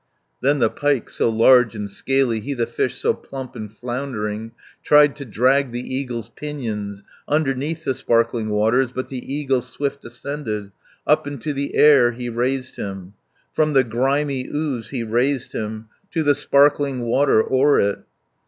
Then the pike so large and scaly, He the fish so plump and floundering, Tried to drag the eagle's pinions Underneath the sparkling waters, But the eagle swift ascended, Up into the air he raised him, 250 From the grimy ooze he raised him, To the sparkling water o'er it.